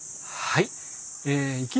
はい。